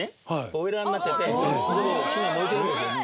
ボイラーになってて火が燃えてるんですよ。